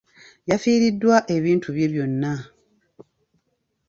Yafiiriddwa ebintu bye byonna.